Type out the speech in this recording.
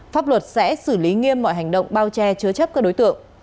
pháp luật sẽ xử lý nghiêm mọi hành động bao che chứa chấp các đối tượng